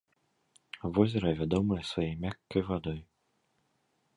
Возера вядомае сваёй мяккай вадой.